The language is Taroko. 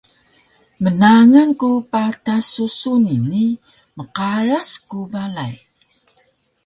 Mnangal ku patas su suni ni mqaras ku balay